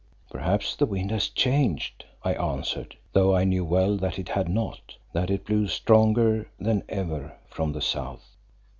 _" "Perhaps the wind has changed," I answered, though I knew well that it had not; that it blew stronger than ever from the south.